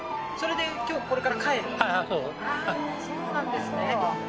あぁそうなんですね。